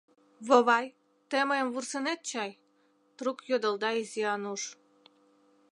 — Вовай, тый мыйым вурсынет чай? — трук йодылда Изи Ануш.